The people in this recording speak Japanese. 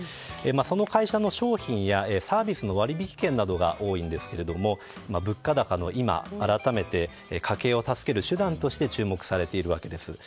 その会社の商品やサービスの割引券などが多いんですけれども物価高の今改めて家計を助ける手段として注目されているわけです。